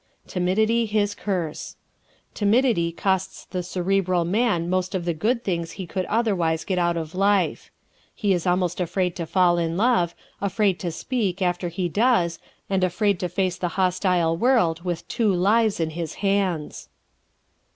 Timidity His Curse ¶ Timidity costs the Cerebral man most of the good things he could otherwise get out of life. He is almost afraid to fall in love, afraid to speak after he does and afraid to face the hostile world with two lives on his hands.